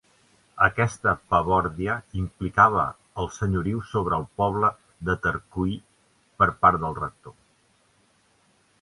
Aquesta pabordia implicava el senyoriu sobre el poble de Tercui per part del rector.